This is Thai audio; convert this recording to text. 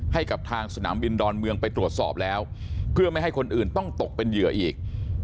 ให้กับทางสนามบินดอนเมืองไปตรวจสอบแล้วเพื่อไม่ให้คนอื่นต้องตกเป็นเหยื่ออีก